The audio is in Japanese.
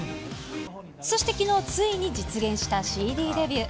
そしてきのう、ついに実現したＣＤデビュー。